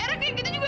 eira kaya gitu juga